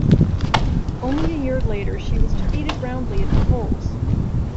Only a year later, she was defeated roundly at the polls.